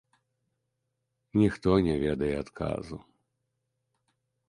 Ніхто не ведае адказу.